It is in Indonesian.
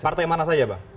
partai mana saja bang